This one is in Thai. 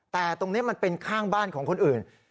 แต่ตรงนี้มันเป็นข้างบ้านของคนอื่น